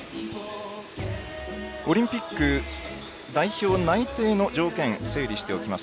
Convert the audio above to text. オリンピック代表内定の条件を整理しておきます。